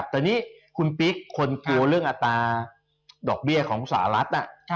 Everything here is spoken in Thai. แต่นี่คุณปิ๊กคนกลัวเรื่องอัตราดอกเบี้ยของสหรัฐ